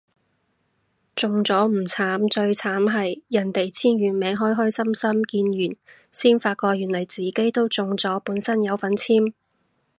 中咗唔慘，最慘係人哋簽完名開開心心見完先發覺原來自己都中咗本身有份簽